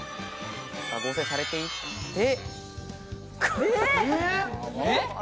合成されていって。